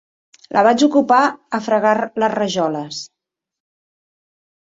La vaig ocupar a fregar les rajoles.